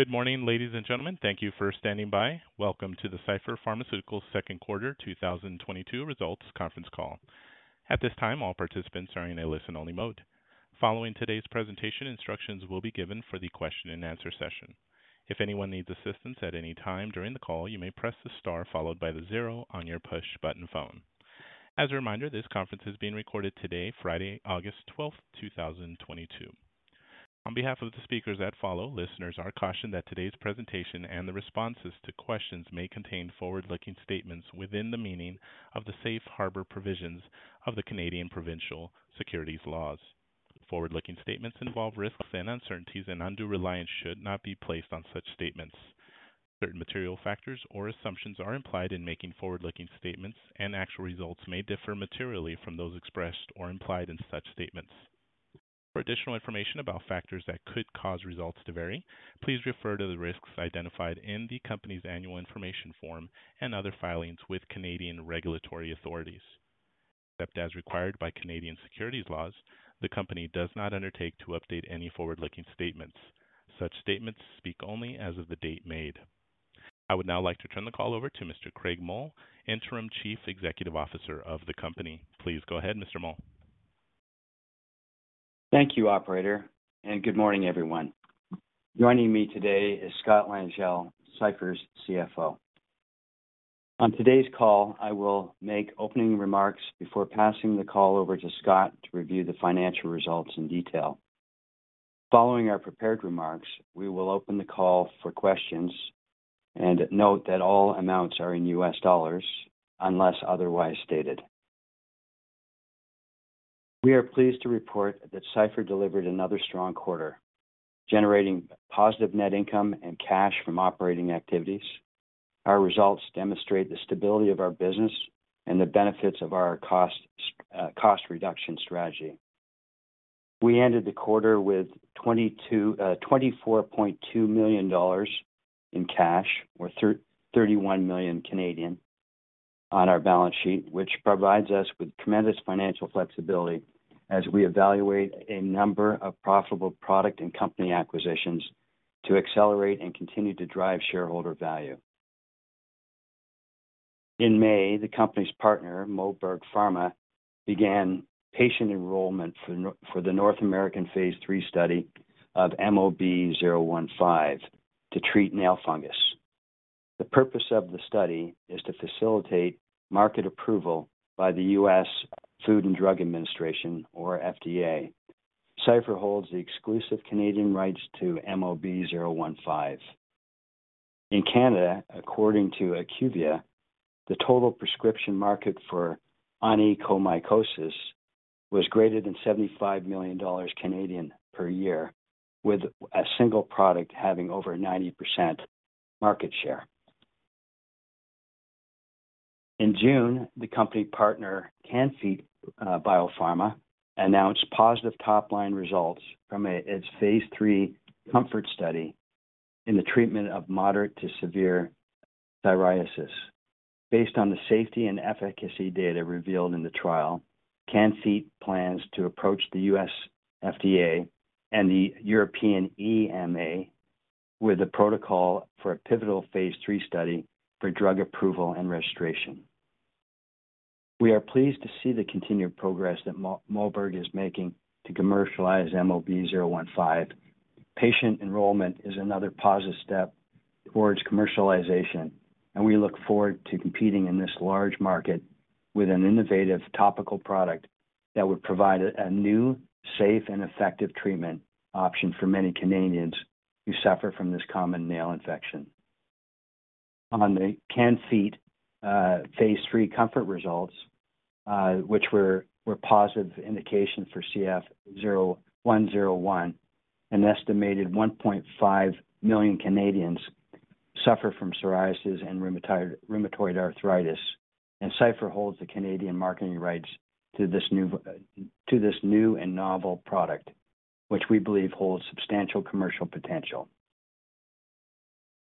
Good morning, ladies and gentlemen. Thank you for standing by. Welcome to the Cipher Pharmaceuticals Second Quarter 2022 Results Conference Call. At this time, all participants are in a listen-only mode. Following today's presentation, instructions will be given for the question and answer session. If anyone needs assistance at any time during the call, you may press the star followed by the zero on your push-button phone. As a reminder, this conference is being recorded today, Friday, August 12, 2022. On behalf of the speakers that follow, listeners are cautioned that today's presentation and the responses to questions may contain forward-looking statements within the meaning of the safe harbor provisions of the Canadian provincial securities laws. Forward-looking statements involve risks and uncertainties, and undue reliance should not be placed on such statements. Certain material factors or assumptions are implied in making forward-looking statements, and actual results may differ materially from those expressed or implied in such statements. For additional information about factors that could cause results to vary, please refer to the risks identified in the company's annual information form and other filings with Canadian regulatory authorities. Except as required by Canadian securities laws, the Company does not undertake to update any forward-looking statements. Such statements speak only as of the date made. I would now like to turn the call over to Mr. Craig Mull, Interim Chief Executive Officer of the company. Please go ahead, Mr. Mull. Thank you, operator, and good morning, everyone. Joining me today is Scott Langille, Cipher's CFO. On today's call, I will make opening remarks before passing the call over to Scott to review the financial results in detail. Following our prepared remarks, we will open the call for questions and note that all amounts are in US dollars unless otherwise stated. We are pleased to report that Cipher delivered another strong quarter, generating positive net income and cash from operating activities. Our results demonstrate the stability of our business and the benefits of our cost reduction strategy. We ended the quarter with $24.2 million in cash, or 31 million Canadian on our balance sheet, which provides us with tremendous financial flexibility as we evaluate a number of profitable product and company acquisitions to accelerate and continue to drive shareholder value. In May, the company's partner, Moberg Pharma, began patient enrollment for the North American phase 3 study of MOB015 to treat nail fungus. The purpose of the study is to facilitate market approval by the U.S. Food and Drug Administration or FDA. Cipher holds the exclusive Canadian rights to MOB015. In Canada, according to IQVIA, the total prescription market for onychomycosis was greater than 75 million Canadian dollars per year, with a single product having over 90% market share. In June, the company partner Can-Fite Biopharma announced positive top-line results from its phase 3 COMFORT study in the treatment of moderate to severe psoriasis. Based on the safety and efficacy data revealed in the trial, Can-Fite plans to approach the U.S. FDA and the European EMA with a protocol for a pivotal phase 3 study for drug approval and registration. We are pleased to see the continued progress that Moberg is making to commercialize MOB015. Patient enrollment is another positive step towards commercialization, and we look forward to competing in this large market with an innovative topical product that would provide a new, safe, and effective treatment option for many Canadians who suffer from this common nail infection. On the Can-Fite phase 3 COMFORT results, which were positive indication for CF101. An estimated 1.5 million Canadians suffer from psoriasis and rheumatoid arthritis, and Cipher holds the Canadian marketing rights to this new and novel product, which we believe holds substantial commercial potential.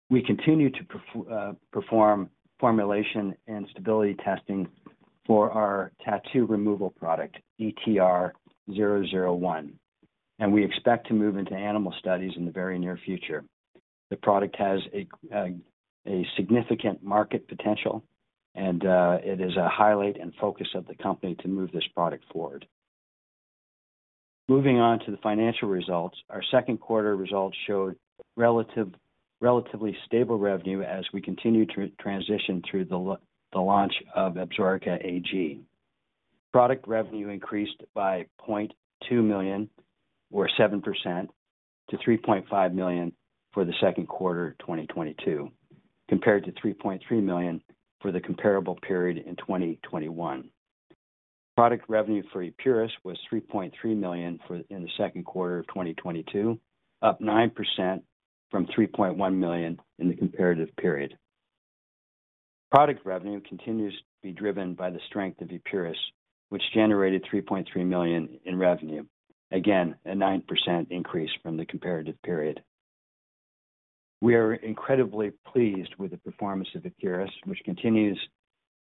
We continue to perform formulation and stability testing for our tattoo removal product, DTR-001, and we expect to move into animal studies in the very near future. The product has a significant market potential, and it is a highlight and focus of the company to move this product forward. Moving on to the financial results. Our second quarter results showed relatively stable revenue as we continue to transition through the launch of Absorica AG. Product revenue increased by 0.2 million or 7% to 3.5 million for the second quarter of 2022, compared to 3.3 million for the comparable period in 2021. Product revenue for Epuris was 3.3 million for the second quarter of 2022, up 9% from 3.1 million in the comparative period. Product revenue continues to be driven by the strength of Epuris, which generated 3.3 million in revenue. Again, a 9% increase from the comparative period. We are incredibly pleased with the performance of Epuris, which continues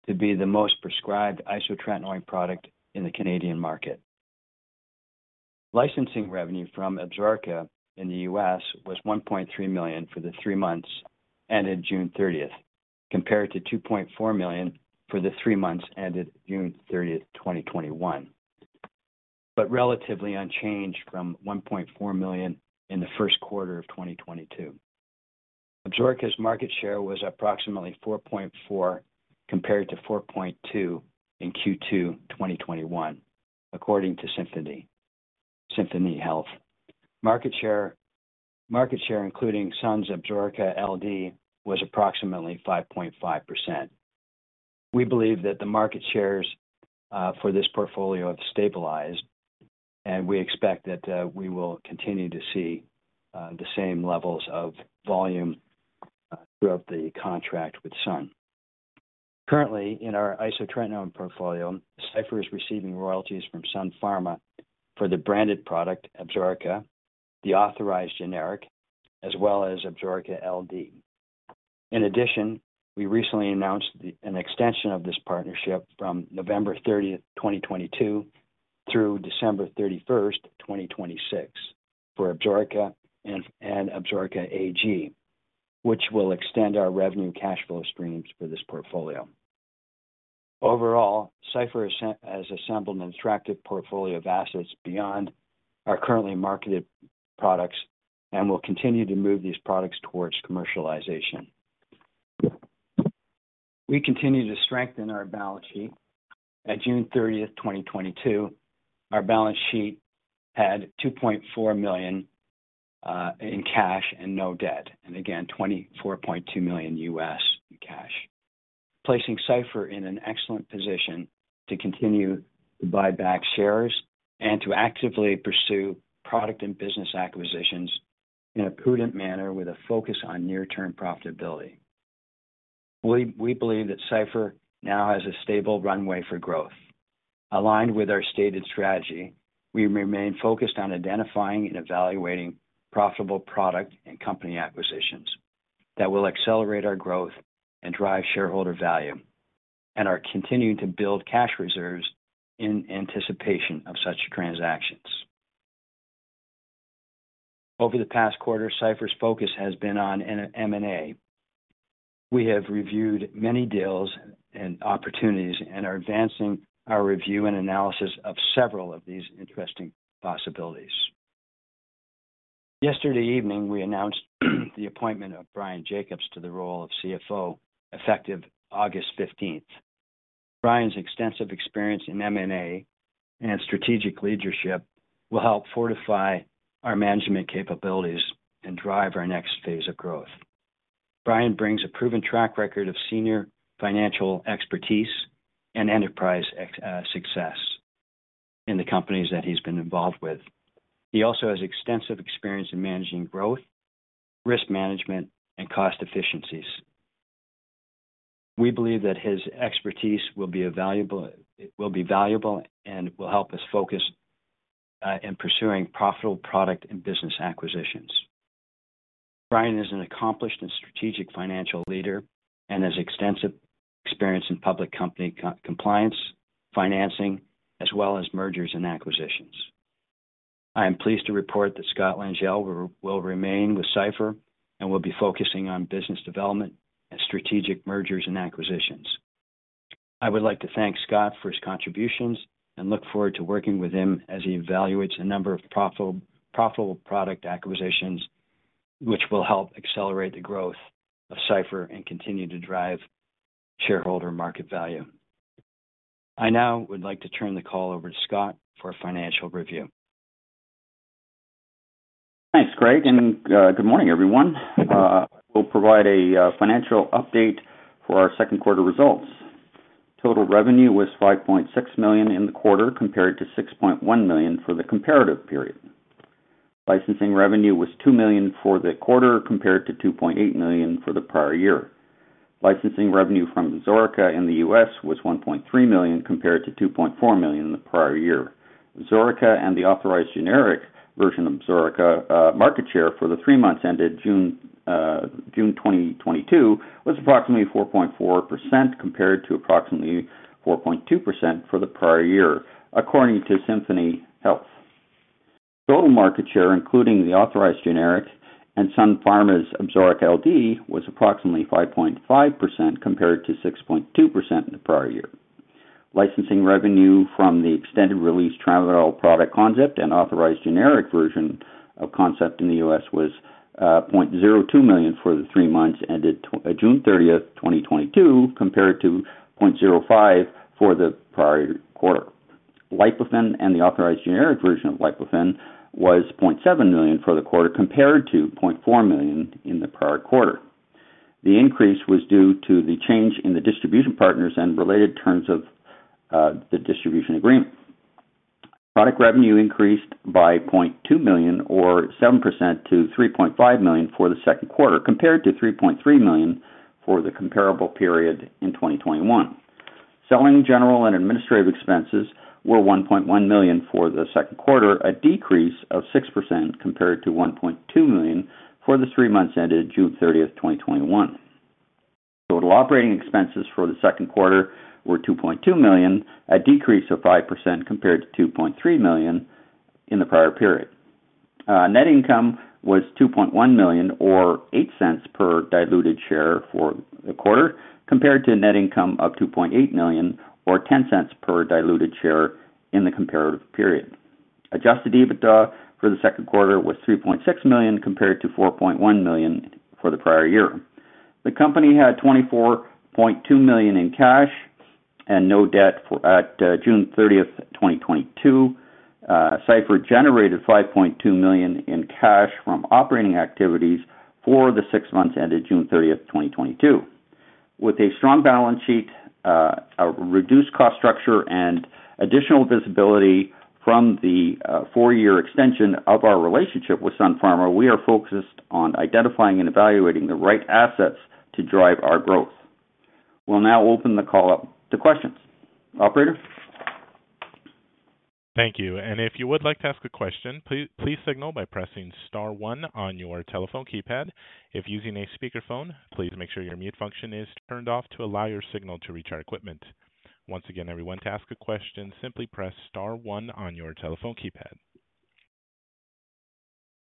to be the most prescribed isotretinoin product in the Canadian market. Licensing revenue from Absorica in the U.S. was $1.3 million for the three months ended June 30, compared to $2.4 million for the three months ended June 30, 2021, but relatively unchanged from $1.4 million in the first quarter of 2022. Absorica's market share was approximately 4.4%, compared to 4.2% in Q2 2021, according to Symphony Health. Market share including Sun's Absorica LD was approximately 5.5%. We believe that the market shares for this portfolio have stabilized, and we expect that we will continue to see the same levels of volume throughout the contract with Sun. Currently, in our isotretinoin portfolio, Cipher is receiving royalties from Sun Pharma for the branded product, Absorica, the authorized generic, as well as Absorica LD. In addition, we recently announced an extension of this partnership from November 30, 2022 through December 31, 2026 for Absorica and Absorica AG, which will extend our revenue cash flow streams for this portfolio. Overall, Cipher has assembled an attractive portfolio of assets beyond our currently marketed products and will continue to move these products towards commercialization. We continue to strengthen our balance sheet. At June 30, 2022, our balance sheet had 2.4 million in cash and no debt, and again, $24.2 million in cash, placing Cipher in an excellent position to continue to buy back shares and to actively pursue product and business acquisitions in a prudent manner with a focus on near-term profitability. We believe that Cipher now has a stable runway for growth. Aligned with our stated strategy, we remain focused on identifying and evaluating profitable product and company acquisitions that will accelerate our growth and drive shareholder value and are continuing to build cash reserves in anticipation of such transactions. Over the past quarter, Cipher's focus has been on M&A. We have reviewed many deals and opportunities and are advancing our review and analysis of several of these interesting possibilities. Yesterday evening, we announced the appointment of Brian Jacobs to the role of CFO effective August fifteenth. Brian's extensive experience in M&A and strategic leadership will help fortify our management capabilities and drive our next phase of growth. Brian brings a proven track record of senior financial expertise and enterprise success in the companies that he's been involved with. He also has extensive experience in managing growth, risk management, and cost efficiencies. We believe that his expertise will be valuable and will help us focus in pursuing profitable product and business acquisitions. Brian is an accomplished and strategic financial leader and has extensive experience in public company compliance, financing, as well as mergers and acquisitions. I am pleased to report that Scott Langille will remain with Cipher and will be focusing on business development and strategic mergers and acquisitions. I would like to thank Scott for his contributions and look forward to working with him as he evaluates a number of profitable product acquisitions which will help accelerate the growth of Cipher and continue to drive shareholder market value. I now would like to turn the call over to Scott for a financial review. Thanks, Craig, and good morning, everyone. We'll provide a financial update for our second quarter results. Total revenue was 5.6 million in the quarter, compared to 6.1 million for the comparative period. Licensing revenue was 2 million for the quarter, compared to 2.8 million for the prior year. Licensing revenue from Absorica in the U.S. was 1.3 million compared to 2.4 million in the prior year. Absorica and the authorized generic version of Absorica market share for the three months ended June 2022 was approximately 4.4% compared to approximately 4.2% for the prior year, according to Symphony Health. Total market share, including the authorized generic and Sun Pharma's Absorica LD, was approximately 5.5% compared to 6.2% in the prior year. Licensing revenue from the extended-release tramadol product, Conzip, and authorized generic version of Conzip in the US was 0.02 million for the three months ended June thirtieth, 2022, compared to 0.05 for the prior quarter. Lipofen and the authorized generic version of Lipofen was 0.7 million for the quarter compared to 0.4 million in the prior quarter. The increase was due to the change in the distribution partners and related terms of the distribution agreement. Product revenue increased by 0.2 million or 7% to 3.5 million for the second quarter, compared to 3.3 million for the comparable period in 2021. Selling general and administrative expenses were 1.1 million for the second quarter, a decrease of 6% compared to 1.2 million for the three months ended June 30, 2021. Total operating expenses for the second quarter were 2.2 million, a decrease of 5% compared to 2.3 million in the prior period. Net income was 2.1 million, or 0.08 per diluted share for the quarter, compared to a net income of 2.8 million or 0.10 per diluted share in the comparative period. Adjusted EBITDA for the second quarter was 3.6 million, compared to 4.1 million for the prior year. The company had 24.2 million in cash and no debt at June 30, 2022. Cipher generated 5.2 million in cash from operating activities for the six months ended June 30, 2022. With a strong balance sheet, a reduced cost structure and additional visibility from the four-year extension of our relationship with Sun Pharma, we are focused on identifying and evaluating the right assets to drive our growth. We'll now open the call up to questions. Operator. Thank you. If you would like to ask a question, please signal by pressing star one on your telephone keypad. If using a speakerphone, please make sure your mute function is turned off to allow your signal to reach our equipment. Once again, everyone, to ask a question, simply press star one on your telephone keypad.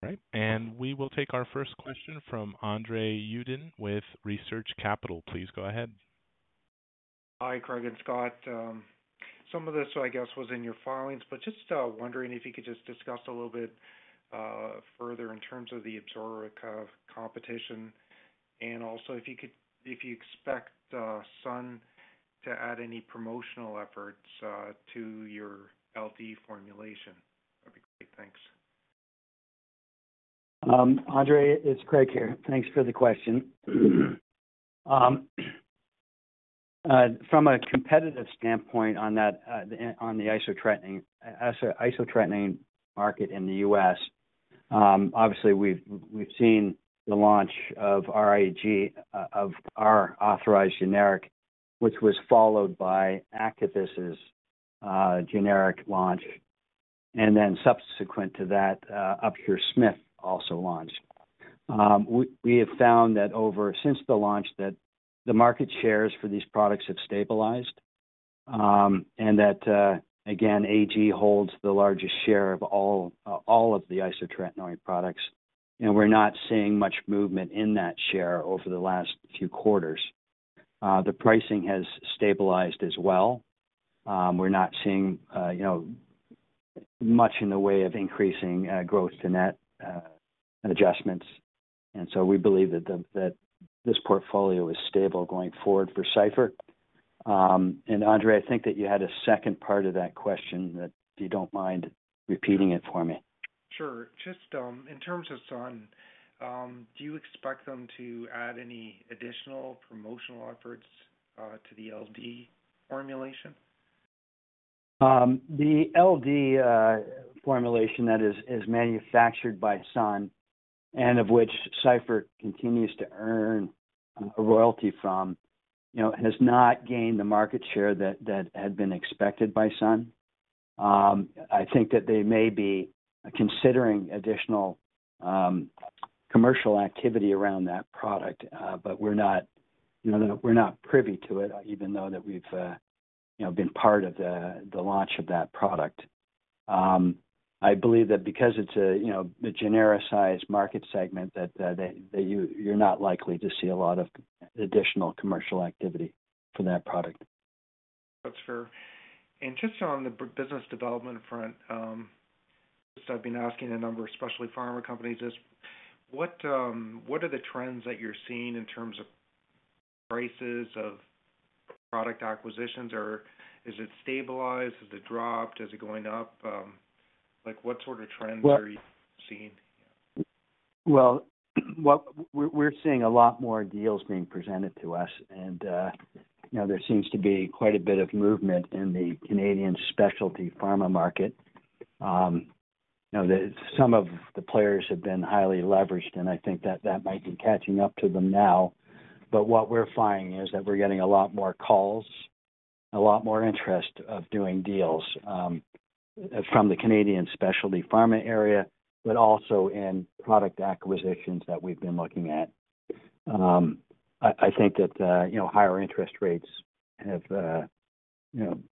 All right, we will take our first question from Andre Uddin with Research Capital. Please go ahead. Hi, Craig and Scott. Some of this, I guess, was in your filings, but just wondering if you could just discuss a little bit further in terms of the Absorica competition and also if you could, if you expect Sun to add any promotional efforts to your LD formulation. That'd be great. Thanks. Andre, it's Craig here. Thanks for the question. From a competitive standpoint on that, on the isotretinoin market in the U.S., obviously we've seen the launch of AG of our authorized generic, which was followed by Actavis's generic launch. Subsequent to that, Upsher-Smith also launched. We have found that since the launch that the market shares for these products have stabilized, and that again AG holds the largest share of all of the isotretinoin products, and we're not seeing much movement in that share over the last few quarters. The pricing has stabilized as well. We're not seeing you know much in the way of increasing gross to net adjustments. We believe that this portfolio is stable going forward for Cipher. Andre, I think that you had a second part of that question that if you don't mind repeating it for me. Sure. Just, in terms of Sun, do you expect them to add any additional promotional efforts, to the LD formulation? The LD formulation that is manufactured by Sun and of which Cipher continues to earn a royalty from, you know, has not gained the market share that had been expected by Sun. I think that they may be considering additional commercial activity around that product, but we're not, you know, privy to it, even though we've, you know, been part of the launch of that product. I believe that because it's a, you know, a genericized market segment that you're not likely to see a lot of additional commercial activity for that product. That's fair. Just on the business development front, just I've been asking a number of specialty pharma companies is what are the trends that you're seeing in terms of prices of product acquisitions or is it stabilized? Has it dropped? Is it going up? Like what sort of trends are you seeing? We're seeing a lot more deals being presented to us and, you know, there seems to be quite a bit of movement in the Canadian specialty pharma market. Some of the players have been highly leveraged, and I think that might be catching up to them now. What we're finding is that we're getting a lot more calls, a lot more interest in doing deals, from the Canadian specialty pharma area, but also in product acquisitions that we've been looking at. I think that higher interest rates have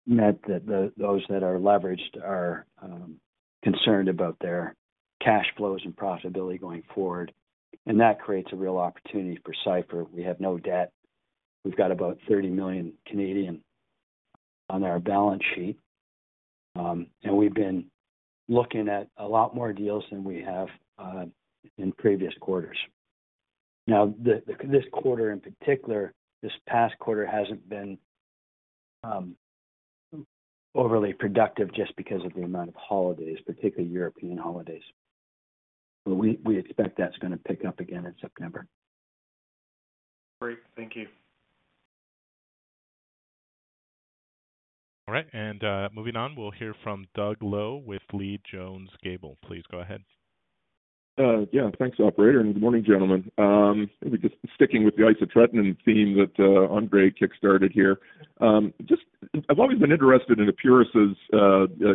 meant that those that are leveraged are concerned about their cash flows and profitability going forward, and that creates a real opportunity for Cipher. We have no debt. We've got about 30 million on our balance sheet. We've been looking at a lot more deals than we have in previous quarters. Now, this quarter in particular, this past quarter hasn't been overly productive just because of the amount of holidays, particularly European holidays. We expect that's gonna pick up again in September. Great. Thank you. All right. Moving on, we'll hear from Doug Loe with Leede Jones Gable. Please go ahead. Yeah. Thanks operator, and good morning, gentlemen. Maybe just sticking with the isotretinoin theme that Andre kick-started here. Just I've always been interested in Epuris's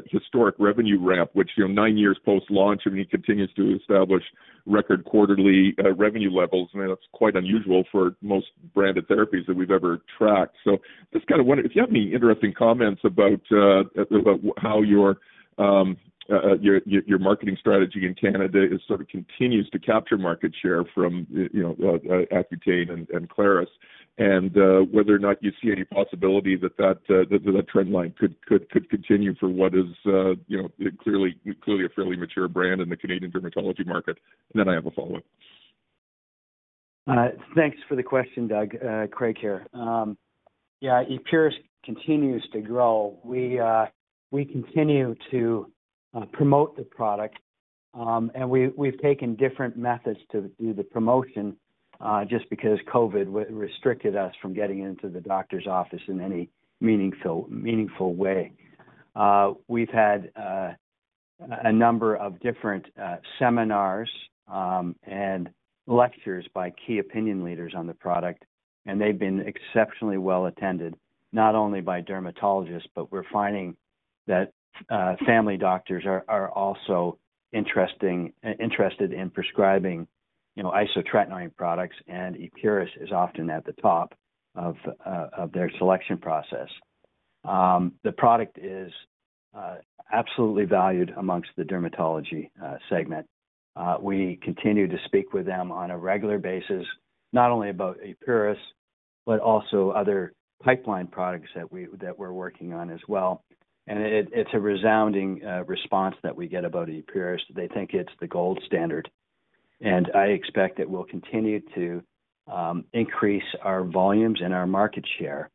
historical revenue ramp, which, you know, nine years post-launch, I mean, it continues to establish record quarterly revenue levels. I mean, that's quite unusual for most branded therapies that we've ever tracked. Just kind of wonder if you have any interesting comments about how your marketing strategy in Canada sort of continues to capture market share from, you know, Accutane and Clarus. Whether or not you see any possibility that the trend line could continue for what is, you know, clearly a fairly mature brand in the Canadian dermatology market. I have a follow-up. Thanks for the question, Doug. Craig here. Yeah, Epuris continues to grow. We continue to promote the product. We've taken different methods to do the promotion, just because COVID restricted us from getting into the doctor's office in any meaningful way. We've had a number of different seminars and lectures by key opinion leaders on the product, and they've been exceptionally well-attended, not only by dermatologists, but we're finding that family doctors are also interested in prescribing, you know, isotretinoin products, and Epuris is often at the top of their selection process. The product is absolutely valued among the dermatology segment. We continue to speak with them on a regular basis, not only about Epuris but also other pipeline products that we're working on as well. It is a resounding response that we get about Epuris. They think it is the gold standard. I expect it will continue to increase our volumes and our market share.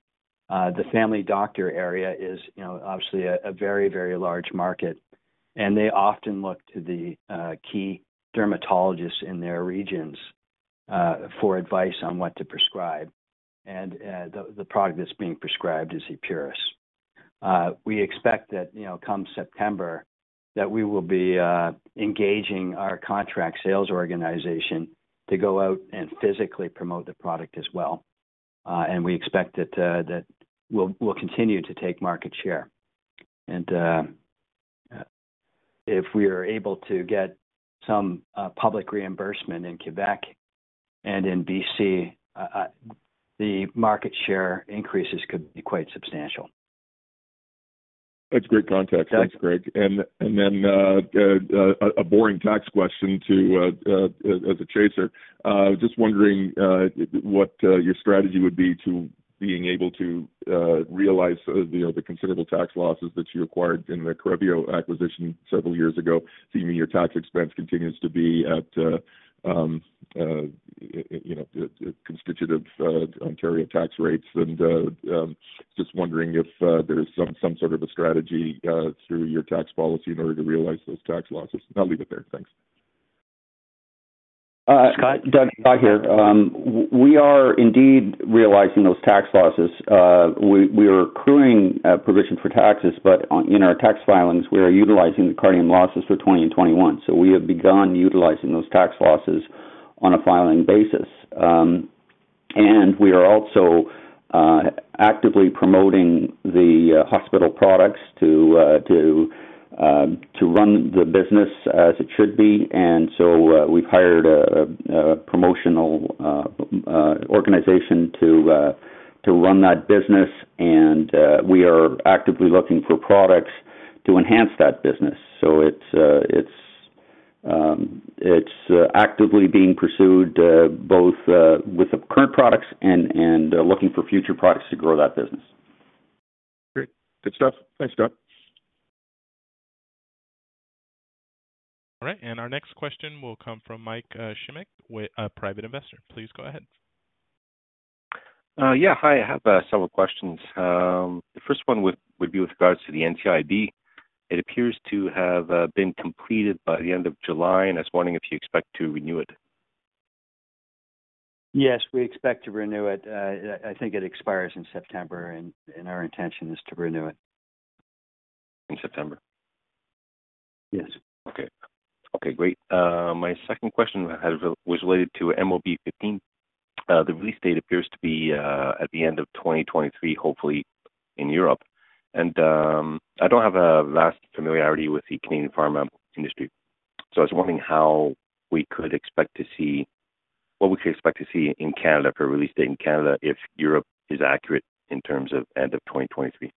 The family doctor area is, you know, obviously a very large market, and they often look to the key dermatologists in their regions for advice on what to prescribe. The product that is being prescribed is Epuris. We expect that, you know, come September, that we will be engaging our contract sales organization to go out and physically promote the product as well. We expect that we'll continue to take market share. If we are able to get some public reimbursement in Québec and in BC, the market share increases could be quite substantial. That's great context. Yeah. Thanks, Craig. Then a boring tax question as a chaser. Just wondering what your strategy would be to being able to realize, you know, the considerable tax losses that you acquired in the Correvio acquisition several years ago, seeing that your tax expense continues to be at, you know, conventional Ontario tax rates. Just wondering if there's some sort of a strategy through your tax policy in order to realize those tax losses. I'll leave it there. Thanks. Uh- Scott? Doug, Scott here. We are indeed realizing those tax losses. We are accruing provision for taxes, but in our tax filings, we are utilizing the Correvio losses for 2020 and 2021. We have begun utilizing those tax losses on a filing basis. We are also actively promoting the hospital products to run the business as it should be. We've hired a promotional organization to run that business and we are actively looking for products to enhance that business. It's actively being pursued both with the current products and looking for future products to grow that business. Great. Good stuff. Thanks, Scott. All right. Our next question will come from Mike Schimeck with Private Investor. Please go ahead. Yeah. Hi, I have several questions. The first one would be with regards to the NCIB. It appears to have been completed by the end of July, and I was wondering if you expect to renew it? Yes, we expect to renew it. I think it expires in September and our intention is to renew it. In September? Yes. Okay. Okay, great. My second question was related to MOB-015. The release date appears to be at the end of 2023, hopefully in Europe. I don't have a vast familiarity with the Canadian pharma industry, so I was wondering what we could expect to see in Canada for a release date in Canada if Europe is accurate in terms of end of 2023.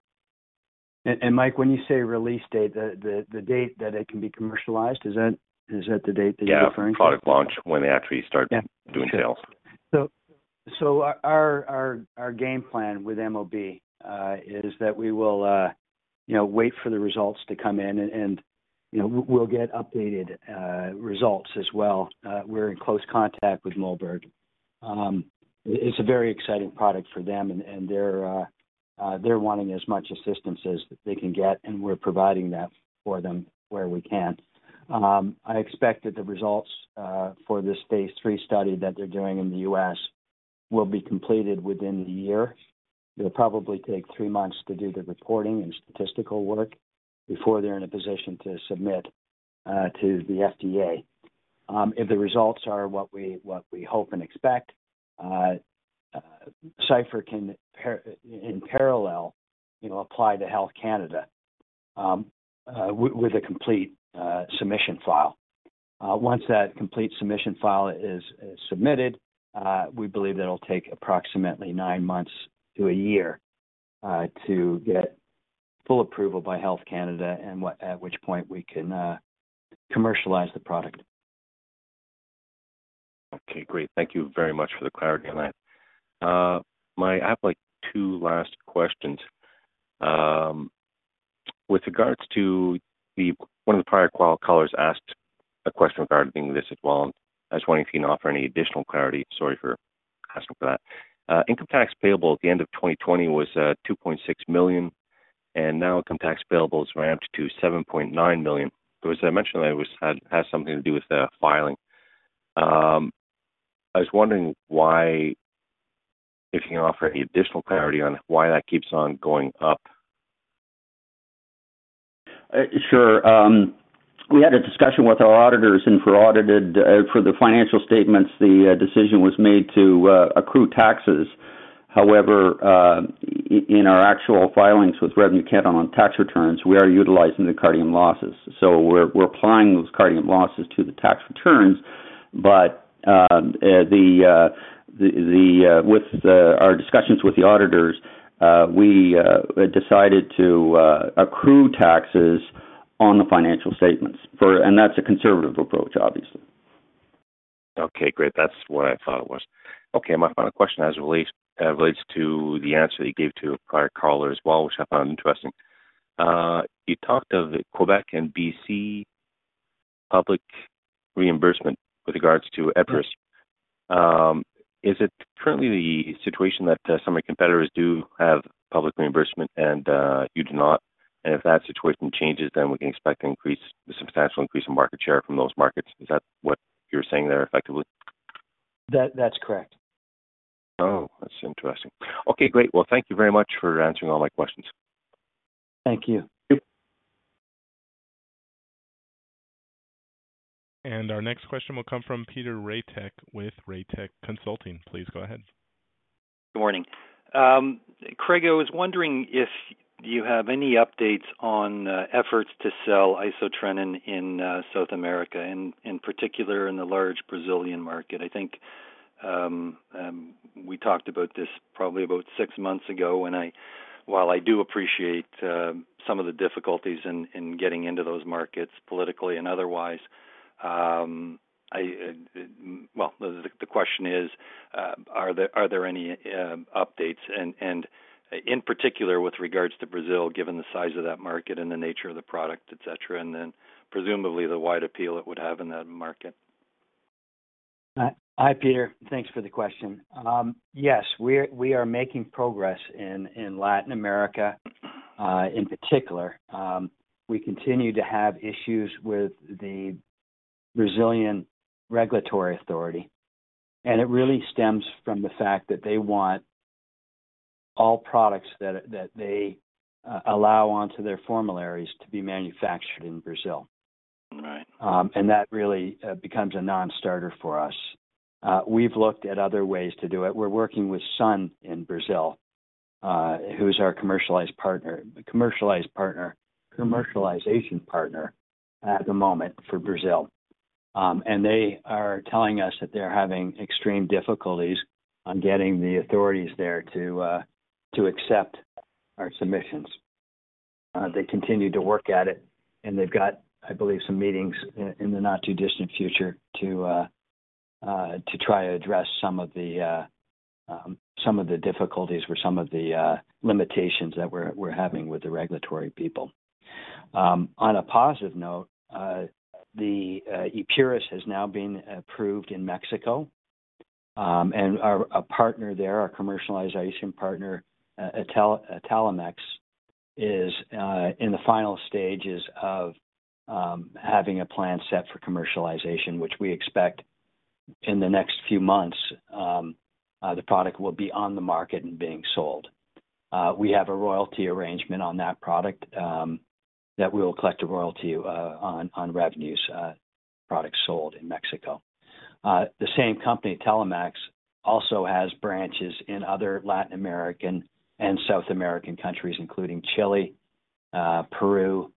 Mike, when you say release date, the date that it can be commercialized, is that the date that you're referring to? Yeah, product launch, when they actually start. Yeah doing sales. Our game plan with Moberg is that we will you know wait for the results to come in and you know we'll get updated results as well. We're in close contact with Moberg. It's a very exciting product for them and they're wanting as much assistance as they can get, and we're providing that for them where we can. I expect that the results for this phase three study that they're doing in the U.S. will be completed within the year. It'll probably take three months to do the reporting and statistical work before they're in a position to submit to the FDA. If the results are what we hope and expect, Cipher can in parallel, you know, apply to Health Canada with a complete submission file. Once that complete submission file is submitted, we believe that it'll take approximately 9 months to 1 year to get full approval by Health Canada and at which point we can commercialize the product. Okay. Great. Thank you very much for the clarity on that. I have like two last questions. With regards to the one of the prior callers asked a question regarding this as well, and I was wondering if you can offer any additional clarity. Sorry for asking for that. Income tax payable at the end of 2020 was 2.6 million, and now income tax payable has ramped to 7.9 million. It was mentioned that it has something to do with the filing. I was wondering if you can offer any additional clarity on why that keeps on going up. Sure. We had a discussion with our auditors, and for the financial statements, the decision was made to accrue taxes. However, in our actual filings with Revenue Canada on tax returns, we are utilizing the carryover losses. We're applying those carryover losses to the tax returns. With our discussions with the auditors, we decided to accrue taxes on the financial statements. That's a conservative approach, obviously. Okay, great. That's what I thought it was. Okay, my final question relates to the answer that you gave to a prior caller as well, which I found interesting. You talked of Quebec and BC public reimbursement with regards to Epuris. Is it currently the situation that some of your competitors do have public reimbursement and you do not? And if that situation changes, then we can expect an increase, a substantial increase in market share from those markets. Is that what you're saying there effectively? That, that's correct. Oh, that's interesting. Okay, great. Well, thank you very much for answering all my questions. Thank you. Thank you. Our next question will come from Peter Ratek with Ratek Consulting. Please go ahead. Good morning. Craig, I was wondering if you have any updates on efforts to sell isotretinoin in South America, in particular in the large Brazilian market. I think we talked about this probably about six months ago, while I do appreciate some of the difficulties in getting into those markets politically and otherwise, the question is, are there any updates and in particular with regards to Brazil, given the size of that market and the nature of the product, et cetera, and then presumably the wide appeal it would have in that market? Hi. Hi, Peter. Thanks for the question. Yes, we are making progress in Latin America. In particular, we continue to have issues with the Brazilian regulatory authority, and it really stems from the fact that they want all products that they allow onto their formularies to be manufactured in Brazil. Right. That really becomes a non-starter for us. We've looked at other ways to do it. We're working with Sun in Brazil, who's our commercialization partner at the moment for Brazil. They are telling us that they're having extreme difficulties on getting the authorities there to accept our submissions. They continue to work at it, and they've got, I believe, some meetings in the not-too-distant future to try to address some of the difficulties or some of the limitations that we're having with the regulatory people. On a positive note, the Epuris has now been approved in Mexico, and our partner there, our commercialization partner, Italmex, is in the final stages of having a plan set for commercialization, which we expect in the next few months. The product will be on the market and being sold. We have a royalty arrangement on that product that we will collect a royalty on revenues products sold in Mexico. The same company, Italmex, also has branches in other Latin American and South American countries, including Chile, Peru,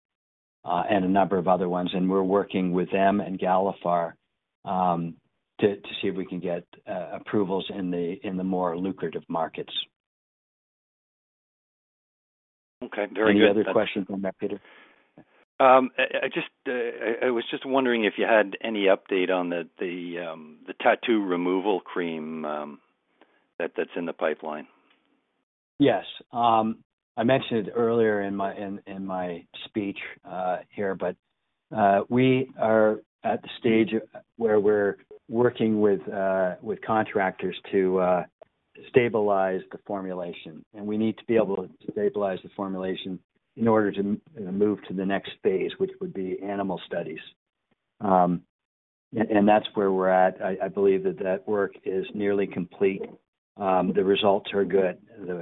and a number of other ones. We're working with them and Galephar to see if we can get approvals in the more lucrative markets. Okay. Very good. Any other questions on that, Peter? I was just wondering if you had any update on the tattoo removal cream that's in the pipeline? Yes. I mentioned it earlier in my speech here, but we are at the stage where we're working with contractors to stabilize the formulation, and we need to be able to stabilize the formulation in order to, you know, move to the next phase, which would be animal studies. That's where we're at. I believe that work is nearly complete. The results are good.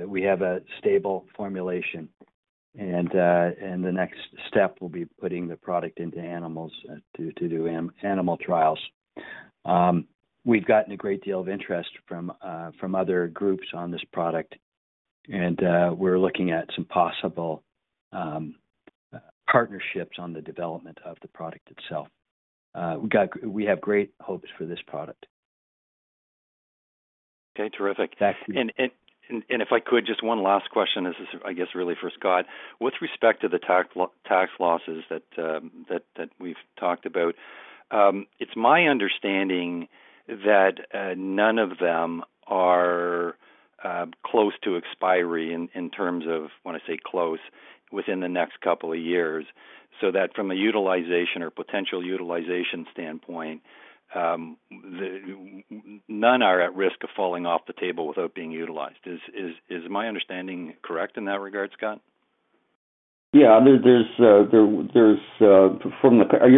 We have a stable formulation. The next step will be putting the product into animals to do animal trials. We've gotten a great deal of interest from other groups on this product, and we're looking at some possible partnerships on the development of the product itself. We have great hopes for this product. Okay. Terrific. Thanks, Peter. If I could just one last question. This is, I guess, really for Scott. With respect to the tax losses that we've talked about, it's my understanding that none of them are close to expiry in terms of, when I say close, within the next couple of years. That from a utilization or potential utilization standpoint, none are at risk of falling off the table without being utilized. Is my understanding correct in that regard, Scott? Yeah. Are you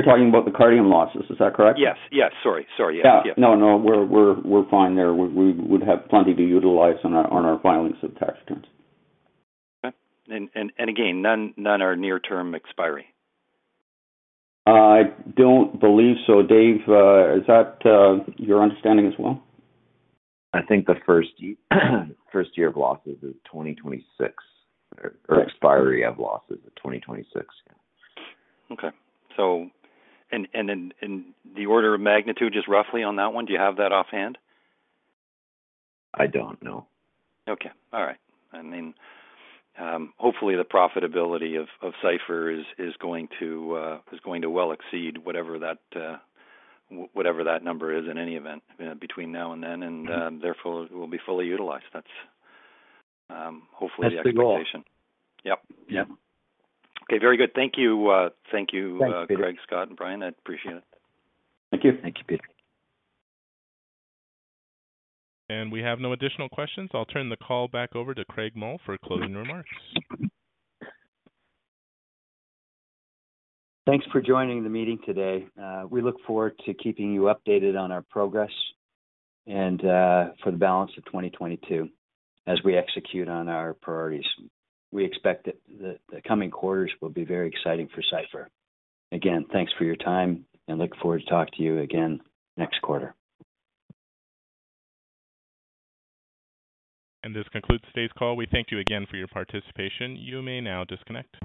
talking about the Correvio losses, is that correct? Yes. Sorry. Yeah. Yeah. No. We're fine there. We would have plenty to utilize on our filings of tax returns. Okay. Again, none are near term expiry? I don't believe so. Dave, is that your understanding as well? I think the first year of losses is 2026 or expiry of losses is 2026, yeah. In the order of magnitude, just roughly on that one, do you have that offhand? I don't. No. Okay. All right. I mean, hopefully the profitability of Cipher is going to well exceed whatever that number is in any event, between now and then. Therefore will be fully utilized. That's hopefully the expectation. That's the goal. Yep. Yeah. Yep. Okay. Very good. Thank you. Thanks, Peter. Craig, Scott and Brian. I appreciate it. Thank you. Thank you, Peter. We have no additional questions. I'll turn the call back over to Craig Mull for closing remarks. Thanks for joining the meeting today. We look forward to keeping you updated on our progress and for the balance of 2022 as we execute on our priorities. We expect that the coming quarters will be very exciting for Cipher. Again, thanks for your time, and look forward to talk to you again next quarter. This concludes today's call. We thank you again for your participation. You may now disconnect.